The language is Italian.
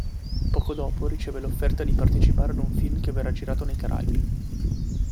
Poco dopo riceve l'offerta di partecipare ad un film che verrà girato nei Caraibi.